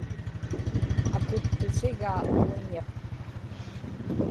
akuttusigaa uiñiq